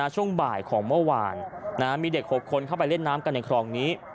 ช่วงบ่ายของเมื่อวานมีเด็ก๖คนเข้าไปเล่นน้ำกันในคลองนี้